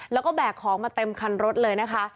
แล้วก็แบกของมาเต็มคันรถเลยนะคะ